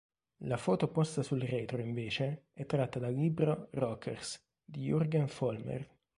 La foto posta sul retro, invece, è tratta dal libro "Rockers", di Jurgen Vollmer.